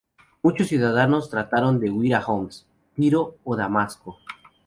Muchos ciudadanos trataron de huir a Homs, Tiro o Damasco.